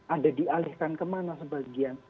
ada dialihkan kemana sebagian